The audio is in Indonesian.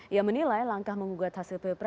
ia menilai langkah mengugat hasil pilpres